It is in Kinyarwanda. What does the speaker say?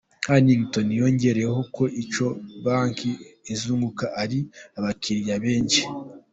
Hannington yongeraho ko icyo banki izunguka ari abakiriya benshi.